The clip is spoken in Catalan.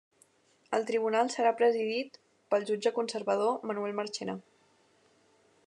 El tribunal serà presidit pel jutge conservador Manuel Marchena.